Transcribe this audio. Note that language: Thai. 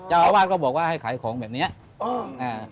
จ้าวอาวาศก็บอกว่าให้ขายของแบบสินะครับ